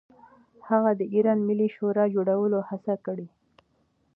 هغه د ایران ملي شورا جوړولو هڅه کړې.